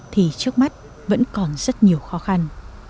thì trước mắt vẫn còn rất nhiều khó khăn